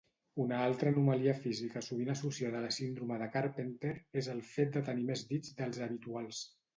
Una altra anomalia física sovint associada a la síndrome de Carpenter és el fet de tenir més dits dels habituals.